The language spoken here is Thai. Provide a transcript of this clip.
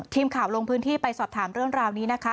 ทีมข่าวลงพื้นที่ไปสอบถามเรื่องราวนี้นะคะ